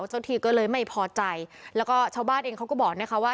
ที่ก็เลยไม่พอใจแล้วก็ชาวบ้านเองเขาก็บอกนะคะว่า